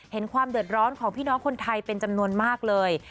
ความเดือดร้อนของพี่น้องคนไทยเป็นจำนวนมากเลย